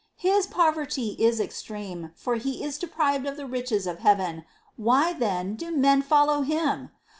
His poverty is extreme, for he is deprived of the riches of heaven ; why, then, do men follow him